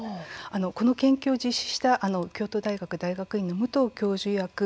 この研究を実施した京都大学大学院の武藤教授いわく